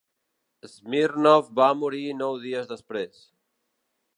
Smirnov va morir nou dies després.